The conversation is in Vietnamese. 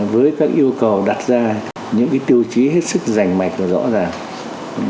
với các yêu cầu đặt ra những cái tiêu chí hết sức rành mạch là rõ ràng